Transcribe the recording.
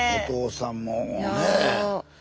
お父さんもねえ。